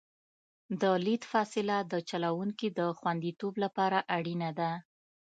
د لید فاصله د چلوونکي د خوندیتوب لپاره اړینه ده